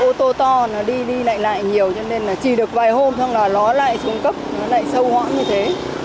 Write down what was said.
ô tô to nó đi đi lại lại nhiều cho nên là chỉ được vài hôm xong là ló lại xuống cấp nó lại sâu hoãn như thế